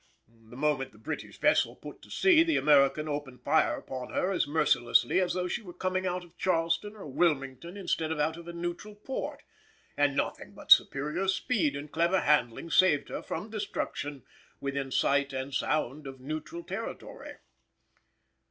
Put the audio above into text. The moment the British vessel put to sea the American opened fire upon her as mercilessly as though she were coming out of Charleston or Wilmington instead of out of a neutral port, and nothing but superior speed and clever handling saved her from destruction within sight and sound of neutral territory.